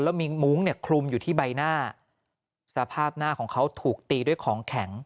แล้วมีมุ้งเนี่ยคลุมอยู่ที่ใบหน้าสภาพหน้าของเขาถูกตีด้วยของแข็ง